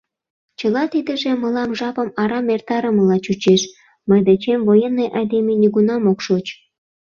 Чыла тидыже мылам жапым арам эртарымыла чучеш — мый дечем военный айдеме нигунам ок шоч.